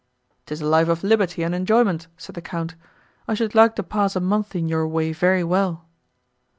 "'Tis a life of liberty and enjoyment," said the Count: "I should like to pass a month in your way very well."